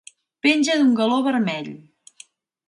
Penja d'un galó vermell.